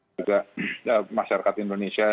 juga masyarakat indonesia